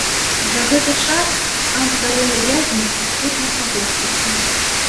За гэта час стан здароўя вязня істотна пагоршыўся.